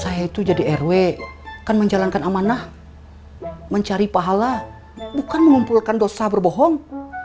saya itu jadi rw kan menjalankan amanah mencari pahala bukan mengumpulkan dosa berbohong